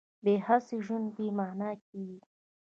بې هڅې ژوند بې مانا کېږي.